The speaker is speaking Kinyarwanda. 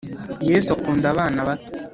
yesu akunda abana bato